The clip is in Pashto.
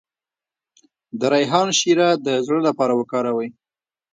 د ریحان شیره د زړه لپاره وکاروئ